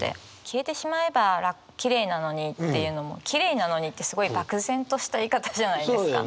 「消えてしまえば綺麗なのに」っていうのも「綺麗なのに」ってすごい漠然とした言い方じゃないですか。